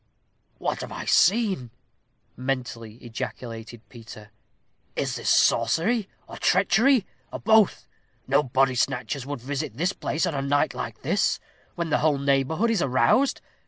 "What have I seen?" mentally ejaculated Peter: "is this sorcery or treachery, or both? No body snatchers would visit this place on a night like this, when the whole neighborhood is aroused.